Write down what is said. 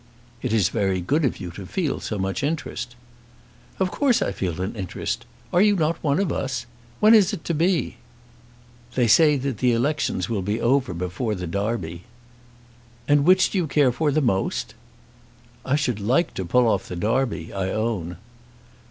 "It is very good of you to feel so much interest." "Of course I feel an interest. Are not you one of us? When is it to be?" "They say that the elections will be over before the Derby." "And which do you care for the most?" "I should like to pull off the Derby, I own."